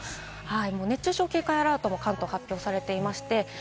熱中症警戒アラートも関東に発表されています。